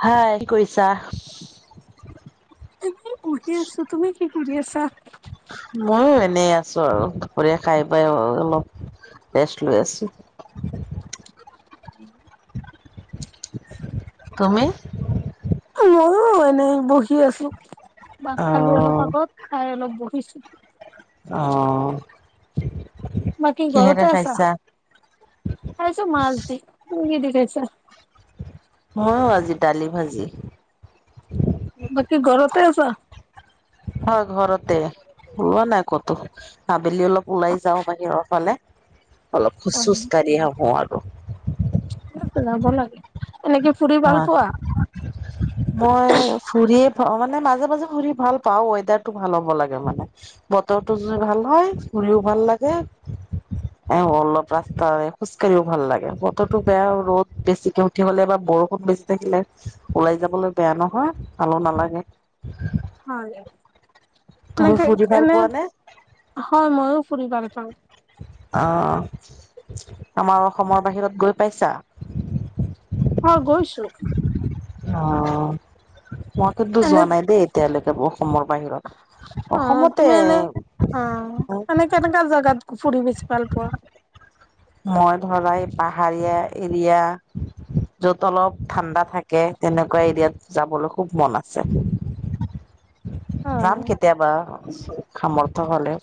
হাই কি কৰিছা তুমি পঢ়ি আছো তুমি কি ঘুৰি আছা ময়ো এনেই আছো আৰু দুপৰীয়া খাই পাই অলপ বেষ্ট লেষ্ট তুমি মইয়ো এনেই বহি আছো বাঘ খালো অলপ অ', আগত খাই অলপ বহিছো অহ বাকি ঘৰতে আছা খাইছো মাছ দি [unintelligible] আজি দালি ভাজি বাকি ঘৰতে আচা। হয় ঘৰতে ওলোৱা নাই ক'তো আবেলি অলপ ওলাই যাওঁ বাহিৰৰ ফালে। অলপ খোজ চোজ কাঢ়ি আহোঁ আৰু। ইয়াক ওলাব লাগে। এনেকে ফুৰি ভাল অ' পোৱা? মই ফুৰিযে। অ মানে মাজে মাজে ফুৰি ভাল পাওঁ ৱেডাৰটো ভাল হ'ব লাগে মানে বতৰটো যদি ভাল হয় ঘুৰিও ভাল লাগে। এ অলপ ৰাস্তা খোজ কঢ়িও ভাল লাগে বতৰটো বেয়া ৰ'দ বেছিকে উঠি হ'লে এবাৰ বৰষূণ, বহুত বেছি থাকিলে ওলাই যাবলৈ বেয়া নহয় ভালো নালাগে। হয় দে। তুমি এনেকে ফুৰি ভাল এনে পোৱা নে হয় ময়ো ফুৰি ভাল পাওঁ। অহ, আমাৰ অসমৰ বাহিৰত গৈ পাইছা? হয় গৈছো। অ' মই কিন্তু এনে যোৱা নাই দেই এতিয়ালৈকে অসমৰ বাহিৰত অ' অসমতে তুমি এনে অ' কেণেকা-কেনেকা জেগাত ফুৰি বেছি ভাল পোৱা? মই ধৰা এই পাহাৰীয়া এৰিয়া। যত অলপ ঠাণ্ডা থাকে তেনেকুৱা এৰিয়াত যাবলৈ খুব মন আছে। অ' যাম কেতিয়াবা সামৰ্থ হলে।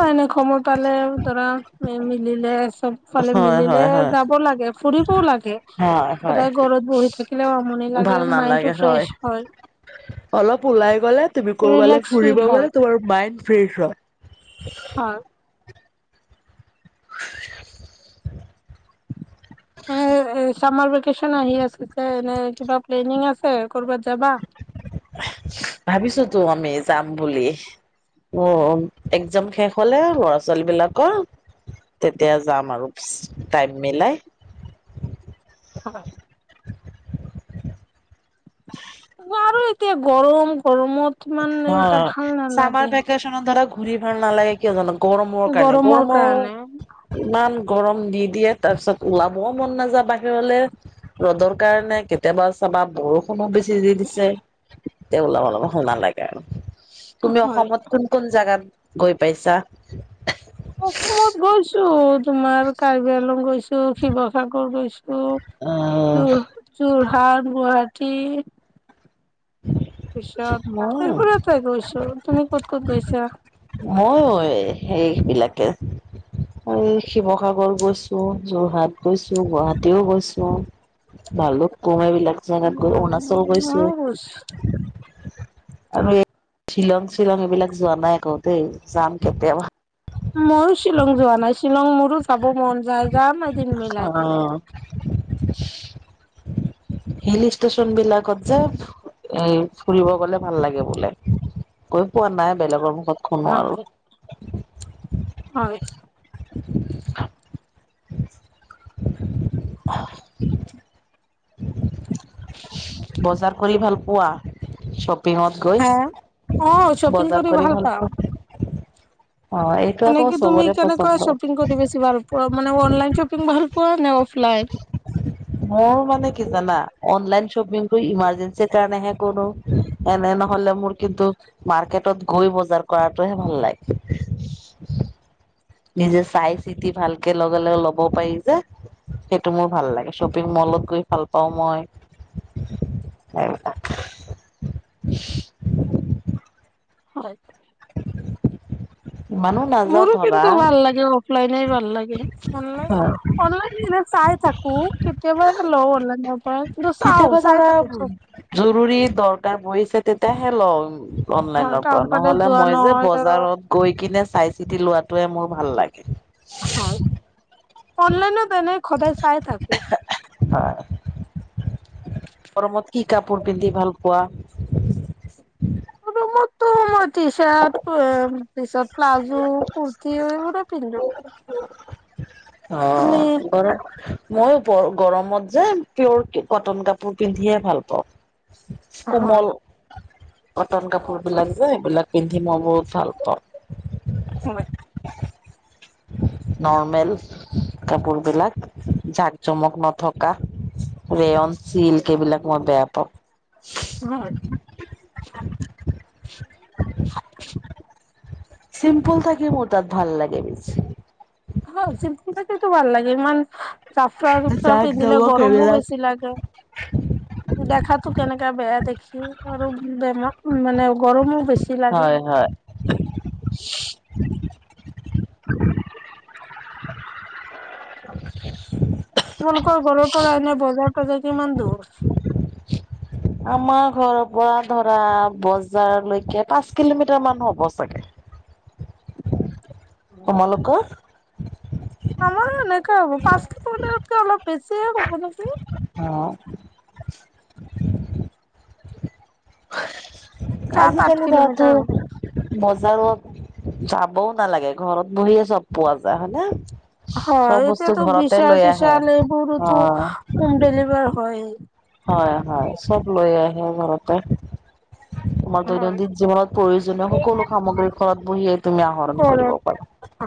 অ' এনে সময় পালে ধৰা মিলিলে সবফালে হয় মিলিলে হয় হয় যাব লাগে ফুৰিবও লাগে হয় হয় সদায় ঘৰত বহি থাকিলেও আমনি, ভাল লাগে মাইন্ড টো ফ্ৰেছ হয়। অলপ ওলাই গলে তুমি ৰিলেক্স ফিল ফুৰিব হয় গলে টোমাৰ মাইণ্ড ফ্ৰেজ হয়। হয়। [inaudible] এ চামাৰ ভেকেচন আহি আছে এনে কিবা প্লেনিং আছে কৰ'ৰবাত যাবা। ভাবিছো তো আমি যাম বুলি। অ' এক্জাম শেষ হলে ল'ৰা ছোৱালী বিলাকৰ তেতিয়া যাম আৰু টাইম মিলাই, হয়। আৰু এতিয়া গৰম গৰমত, ইমান এটা ভাল অ' চামাৰ নালাগে ভেকচন ধৰক ঘূৰি ভাল নালাগে কিয় জানো গৰমৰ কাৰণে গৰমৰ কাৰণে গৰমৰ ইমান গৰম দি দিয়ে তাৰ পিছত ওলাবও মন নাযায় বাহিৰলে। ৰ'দৰ কাৰণে কেতিয়াবা চাবা বৰষুন বেছি দি দিছে তে ওল অলপ সম না লাগে আৰু। তুমি হয় অসমত কোন-কোন জাগাত গৈ পাইছা? অসমত গৈছো তোমাৰ কাৰ্বি আলং গৈছো, শিৱসাগৰ গৈছো আহ তোৰ যোৰহাট, গুৱাহাটী, পিছত মই তাৰ পৰা তাই গৈছো তুমি ক'ত-ক'ত গৈছা? ময়ো সেইবিলাকে। এই শিৱসাগৰ গৈছো, যোৰহাট গৈছো, গুৱাহাটীও গৈছো। ভালো তম এইবলাক জেগাত গৈ অৰুণাচল গৈছো। আৰু এই শ্বিলং-শ্বিলং এইবিলাক যোৱা নাই আকৌ দেই যাম কেতিয়াবা। ময়ো শ্বিলং যোৱা নাই শ্বিলং মোৰো যাব মন যায় যাম এদিন অ মিলাই পেলাই। হিল ষ্টেশ্যন বিলাকত যে। এ ফুৰিব গলে ভাল লাগে বোলে গৈ পোৱা নাই বেলেগৰ শখনো আৰু হয়। [inaudible] বজাৰ কৰি ভাল পোৱা? শ্বপিঙত গৈ হা? অ', শ্বপিং বজাৰ কৰি ভাল পাওঁ। পোৱা অ এইটো আকৌ এনেকে তুমি চবৰে পচন্দ কেনেকুৱা শ্বপিং কৰি বেছি ভাল পোৱা মানে অনলাইন শ্বপিং ভাল পোৱা নে অফলাইন মোৰ মানে কি জানা অনলাইন শ্বপিং টো ইমাৰ্জেঞ্চিৰ কাৰণেহে কৰো এনে নহলে মোৰ কিন্তু মাৰ্কেটত গৈ বজাৰ কৰাটোহে ভাল লাগে নিজে চাই চিতি ভালকে লগে লগে ল'ব পাৰি যে সেইটো মোৰ ভাল লাগে শ্বপিং মলত গৈ ভাল পাওঁ মই সেইবিলাক হয় ইমানো নাযাওঁ মোৰো ধৰা কিন্তু ভাল লাগে, অফলাইনে ভাল লাগে অনলাইন অনলাইন দিলে চাই থাকোঁ কেতিয়াবাহে লওঁ অনলাইনৰ পৰা কিন্তু চাওঁ, কেতিয়াবা চাই ধৰা থাকো চব জৰুৰী দৰকাৰ পৰিছে তেতিয়াহে লওঁ হয় অনলাইনৰ পৰা, টাউন ফালে নহ'লে যোৱা মই যে নহয় ধৰক বজাৰত গৈ কেনে চাই চিতি লোৱাটোৱে মোৰ ভাল লাগে। হয় অনলাইনত এনেই খদায় চাই থাকো হয়। কাপোৰ পিন্ধি ভাল পোৱা আৰু মোৰ টো মই টি-চাৰ্ট পিছত প্লাজো কুৰ্তিও এইবোৰে পিন্ধো তুমি অ' ঘৰত মইয়ো বৰ গৰমত যে পিয়ৰ কটন কাপোৰ পিন্ধিয়ে ভাল পাওঁ হয় কোমল কটন কাপোৰ বিলাক যে এইবিলাক পিন্ধি মই বহুত ভাল পাওঁ হয় [unintelligible] নৰ্মেল কাপোৰ বিলাক যাক-জমক নথকা ৰেয়ন চিল্ক এইবিলাক মই বেয়া পাওঁ [unintelligible] [unintelligible] চিম্পল থাকি মোৰ তাত ভাল লাগে বেছি। তো ভাল লাগে ইমান [unintelligible] জাক পিন্ধিলে জমক গৰমো এইবিলাক বেছি লাগে দেখাত তো কেনেকা বেয়া দেখি আৰু বেমাৰ মানে গৰমো বেছ হয়-হয় তোমালোকৰ ঘৰৰ পৰা এনে বজাৰ- তজাৰ কিমান দূৰ? আমাৰ ঘৰৰ পৰা ধৰা বজাৰলৈকে পাঁচ কিলোমিটাৰ মান হ'ব চাগে। তোমালোকৰ? আমাৰো এনেকাই হ'ব পাঁচ কিলোমিটাৰত কৈ অলপ বেছিয়ে হ'ব নেকি। অ', সাত আঠ আজিকালি ধৰাটো কিলোমিটাৰ হ'ব মজ বজাৰত যাবও নালাগে ঘৰত বহিয়ে চব পোৱা যায় হয়নে? চব হয় বস্তু এতিয়াতো ঘৰতে লৈ আহে। বিচাল-তিচাল এইবোৰোতো হোম ডেলিভাৰ হয়। হয়-হয় চব লৈ আহে ঘৰতে। আমাৰ দৈনন্দিন জীৱনত প্ৰয়োজনীয় সকলো সামগ্ৰী ঘৰত বহিয়ে তুমি আহৰণ কৰিব ঘৰত পাৰা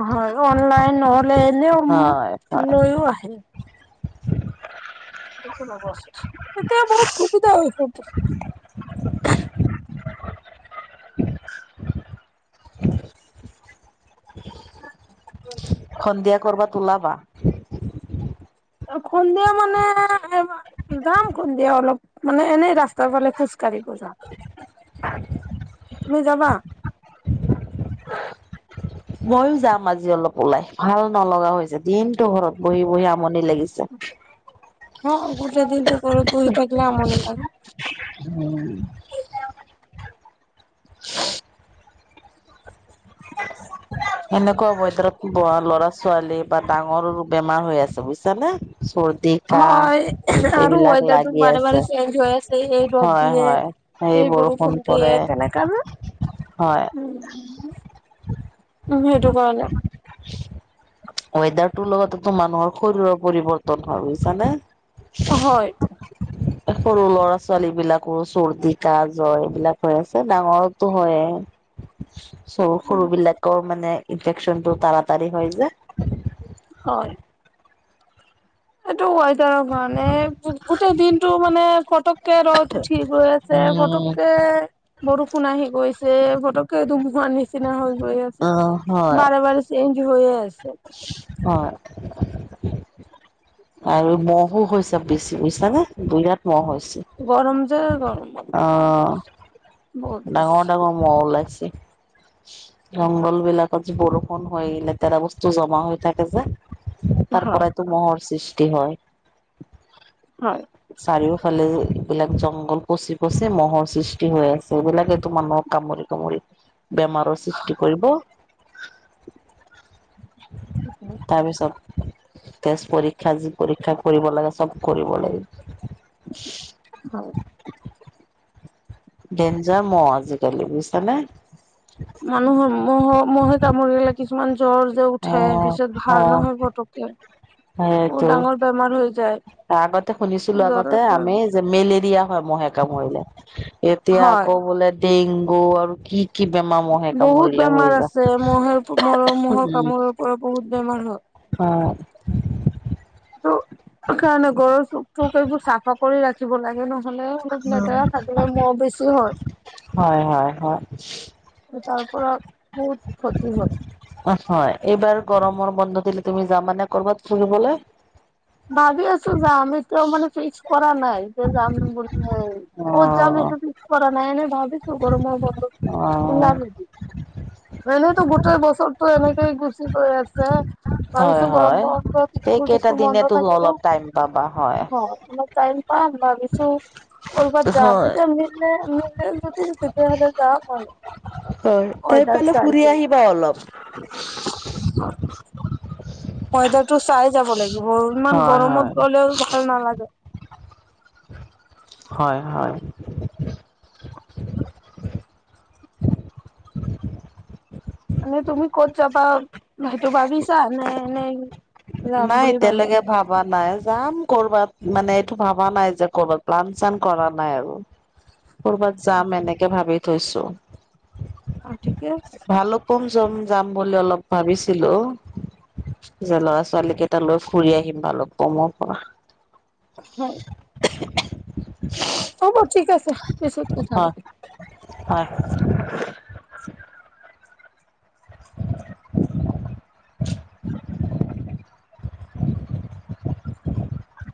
হয়, অনলাইন নহলে এনেও হয় হয় লৈও আহে। [inaudible] এতিয়া বহুত সুবিধা হৈছে। [unintelligible] [unintelligible] [unintelligible] সন্ধিয়া কৰবাত ওলাবা? খন্দিয়া মানেব যাম খুন্দিয়া অলপ মানে এনেই ৰাস্তাৰ ফালে খোজঢ় কালি পূজা। তুমি যাবা ময়ো যাম আজি অলপ ওলাই ভাল নলগা হৈছে দিনটো ঘৰত বহি বহি আমনি লাগিছে। হ গোটেই দিনটো ঘৰত বহি থাকিলে আমনি লাগে উম সেনেকুৱা হ'ব ধৰাৰ পঢ়া ল'ৰা ছোৱালীৰ বা ডাঙৰৰো বেমাৰ হৈ আছে বুজিছানে চৰ্দি হয় কাহ আৰু এইবিলাক ৱেডাৰটো লাগি বাৰে বাৰে আছে চেঞ্জ হৈ আছে এই ৰ'দ হয় দিয়ে হয় সেই এই বৰষুণ দিয়ে পৰে তেনেকা যে হয় উম সেইটো কাৰণে ৱেডাৰটোৰ লগতে টো মানুহৰ শৰীৰৰ পৰিৱৰ্তন হয় বুজিছানে হয় সৰু ল'ৰা ছোৱালী বিলাকো চৰ্দি ক জৰ এইবিলাক হৈ আছে ডাঙৰো হয়। চৰু সৰু বিলাকৰ মানে ইনফেকচনটো তাৰাতাৰি হয় যে হয় এইটো ৱেডাৰৰ কাৰণে গোটেই দিনটো মানে ফটক কে ৰ'দ উঠি গৈ আছে উম পটককে বৰষুণ আহি গৈছ যে ফটকে দুমুহাৰ নিচিনা হৈ গৈ আছে অ হয় বাৰে বাৰে চেঞ্জ হৈ আছ ছে অ আৰু মহো হৈছে বেছি বুজিছানে বিৰাট মহ হৈছ গৰম যে গ অ ডাঙৰ বেছি ডাঙৰ মহ ওলাইছে জংঘল বিলাকত যে বৰষুণ হৈ লেতেৰা বস্তু জমা হৈ থাকে যে হয় তাৰপৰাই টো মহৰ সৃষ্টি হয় হয় চাৰিওফালে এইবিলাক জংঘল পচি পচি মহৰ সৃষ্টি হৈ আছে এইবিলাকটো মানুহৰ। কামোৰি কামোৰি বেমাৰৰ সৃষ্টি কৰিব তাৰপিছত তেজ পৰীক্ষা যি পৰীক্ষা কৰিব লাগে চব কৰিব লাগে হয় ডেঞ্জাৰ ম আজিকালি বুজিছানে। মানুহৰ মহ মহে কামুৰি গলে কিছুমান জ্বৰ যে উঠে অ', পিছত ভাৰ অ', নহয় পটকে বহু সেইটো ডাঙৰ বেমাৰ হৈ যায় আগতে শুনিছিলো জ্বৰৰ আগতে পৰা আমি যে মেলেৰিয়া হয় মহে কামুৰিলে এতিয়া হয়। আকৌ বোলে ডেংগু আৰু কি কি বেমাৰ মহহে বহুত কামুৰিলে হৈ বেমাৰ যা আছে মহে মহৰ কামোৰৰ পৰা বহুত বেমাৰ হয় অ ত কাৰণে গৰৰ চখ চোক এইবোৰ চাফা কৰি ৰাখিব লাগে ন। লেলপ লেতেৰা থাকিলে মহ বেছি হয় হয় হয় তাৰ পৰা বহুত ক্ষতি হল। হয় এইবাৰ গৰমৰ বন্ধ দিলে তুমি যাম মানে কৰবাত ফুৰিবলৈ ভাবি আছো যাম এতিয়াও মানে ফিক্স কৰা নাই এতিয়া যাম বুলি কত যাম অ' সেটো ফিক্স কৰা নাই এনে ভাবিছো গৰমৰ বন্ধত অ এনেইতো গোটেই বছৰতটো এনেকেই গুচি গৈ আছে ভৱষ হয় গৰম হয় বন্ুল এইকেইটা ুল দিনেতো মন্দ িব হয় অলপ টাইম পাবা হয় ম মই াইম প ভাবিছো অলবাত যাম ন হয় যেমি ম য তে হাজাৰ যাম ম হয় তাই পালে ফুৰি আহিবা অলপ ৱেডাৰ টো চাই যাব লাগিব ইমান হয় হয় গৰমত গলেও ভাল নালাগে হয় হয় ন তুমি কত চাপা ভাইটোু ভাবি চা নে এনে নাই এতিয়ালৈকে ভবা নাই যাম কৰবাত মানে এইটো ভবা নাই যে কৰবাত লাান চান কৰা নাই আৰু কৰ'বাত যাম এনেকে ভাবি থৈছো অ ঠিকেই ম যাম বুলি অলপ ভাবিছিলো যে ল'ৰা ছোৱালী ছোৱালী কেইটা লৈ ফুৰি আহিম ভাল ব মৰ পৰা হয় [unintelligible] হ'ব ঠিক আছে পিছত উঠাব হয় হয় [unintelligible] [unintelligible]